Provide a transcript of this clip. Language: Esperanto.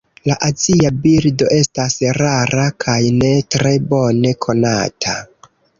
La azia birdo estas rara kaj ne tre bone konata.